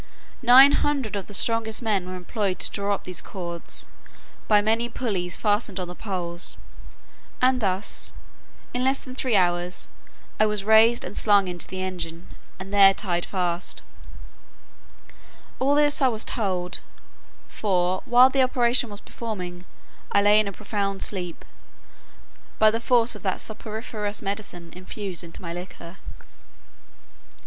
Nine hundred of the strongest men were employed to draw up these cords, by many pulleys fastened on the poles; and thus, in less than three hours, I was raised and slung into the engine, and there tied fast. All this I was told; for, while the operation was performing, I lay in a profound sleep, by the force of that soporiferous medicine infused into my liquor.